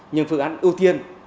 nhưng phương án ưu tiên